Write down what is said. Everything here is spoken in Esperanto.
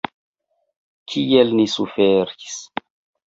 Kiel ni suferis!